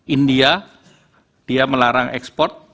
india dia melarang ekspor